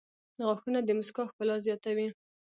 • غاښونه د مسکا ښکلا زیاتوي.